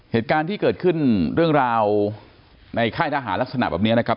เหตุการณ์ที่เกิดขึ้นเรื่องราวในค่ายทหารลักษณะแบบนี้นะครับ